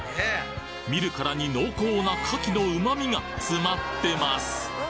見るからに濃厚な牡蠣の旨味が詰まってます！